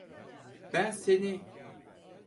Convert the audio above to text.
Ben seni…